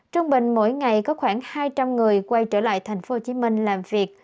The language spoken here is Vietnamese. trung bình mỗi ngày có khoảng hai trăm linh người quay trở lại thành phố hồ chí minh làm việc